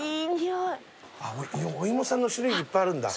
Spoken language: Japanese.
お芋さんの種類いっぱいあるんだ。